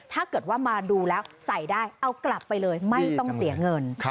ถ้าเกิดว่ามาดูแล้วใส่ได้เอากลับไปเลยไม่ต้องเสียเงิน